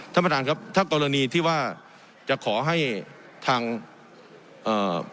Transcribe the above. ท่านประธานครับถ้ากรณีที่ว่าจะขอให้ทางเอ่อ